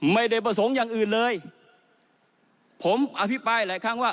ท่านไม่ต้องระเกียจพวกผมหรอกครับ